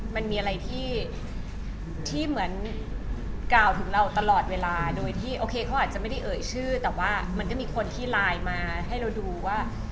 มันมีอะไรที่เหมือนกล่าวถึงเราตลอดเวลาโดยที่โอเคเขาอาจจะไม่ได้เอ่ยชื่อแต่ว่ามันก็มีคนที่ไลน์มาให้เราดูว่า